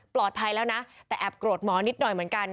แล้วนะแต่แอบโกรธหมอนิดหน่อยเหมือนกัน